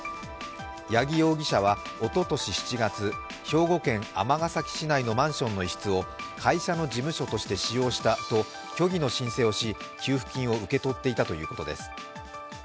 矢木容疑者はおととし７月兵庫県尼崎市内のマンションの一室を会社の事務所として使用したと虚偽の申請をし、給付金を受け取っていたということです。